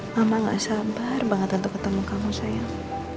mama gak sabar banget untuk ketemu kamu sayang